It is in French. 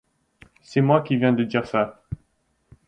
c'est moi qui viens de dire ça.